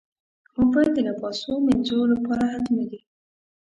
اوبه د لباسو مینځلو لپاره حتمي دي.